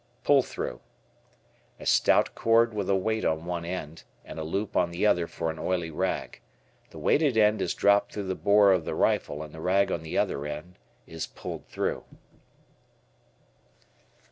Pull Through. A stout cord with a weight on one end, and a loop on the other for an oily rag. The weighted end is dropped through the bore of the rifle and the rag on the other end is "pulled through."